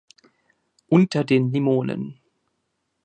Unter den Limonen